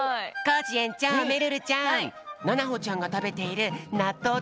コージえんちょうめるるちゃんななほちゃんがたべているなっとう